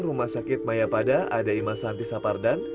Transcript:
rumah sakit mayapada ada imasanti sapardan